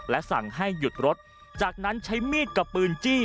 และสั่งให้หยุดรถจากนั้นใช้มีดกับปืนจี้